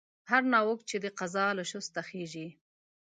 هر ناوک چې د قضا له شسته خېژي